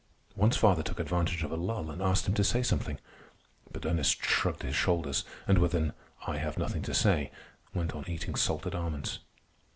Once father took advantage of a lull and asked him to say something; but Ernest shrugged his shoulders and with an "I have nothing to say" went on eating salted almonds.